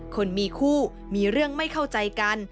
คนมีคู่มีเรื่องไม่เข้าใจกัน